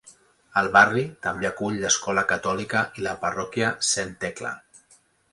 El barri també acull l'escola catòlica i la parròquia Saint Thecla.